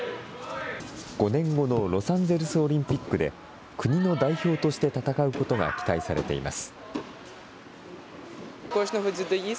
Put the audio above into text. ５年後のロサンゼルスオリンピックで、国の代表として戦うことが期待されています。